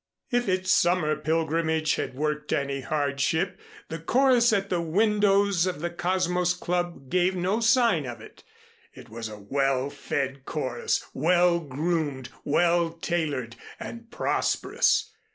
If its summer pilgrimage had worked any hardship, the chorus at the windows of the Cosmos Club gave no sign of it. It was a well fed chorus, well groomed, well tailored and prosperous.